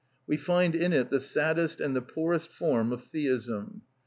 We find in it the saddest and the poorest form of Theism.